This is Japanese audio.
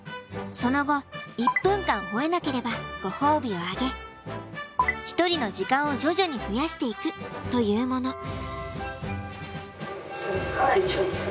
その後１分間吠えなければご褒美をあげひとりの時間を徐々に増やしていくというもの。